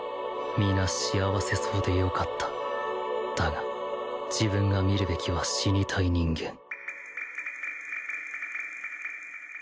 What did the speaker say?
皆幸せそうでよかっただが自分が見るべきは死にたい人間